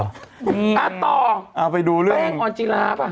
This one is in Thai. ต่อเอาไปดูเรื่องแป้งออนจิลาป่ะ